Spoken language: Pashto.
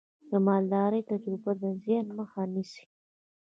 د مالدارۍ تجربه د زیان مخه نیسي.